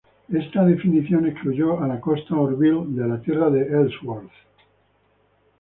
Esta definición excluyó a la costa Orville de la Tierra de Ellsworth.